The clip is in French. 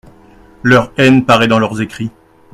Leur haine paraît dans leurs écrits.